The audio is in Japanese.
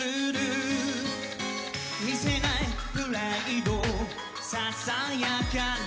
「見せないプライドささやかな」